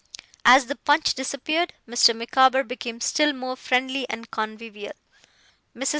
As the punch disappeared, Mr. Micawber became still more friendly and convivial. Mrs.